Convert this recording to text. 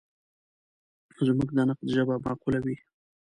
زموږ د نقد ژبه معقوله وي.